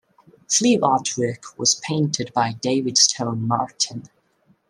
Sleeve artwork was painted by David Stone Martin.